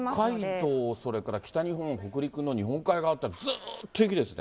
北海道、それから北日本、北陸の日本海側っていうのはずっと雪ですね。